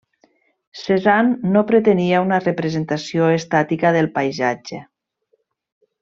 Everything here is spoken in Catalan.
Cézanne no pretenia una representació estàtica del paisatge.